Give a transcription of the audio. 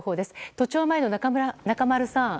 都庁前の中丸さん。